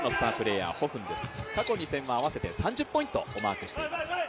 過去２戦は合わせて３０ポイントをマークしています。